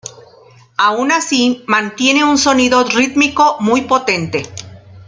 Aun así, mantiene un sonido rítmico muy potente.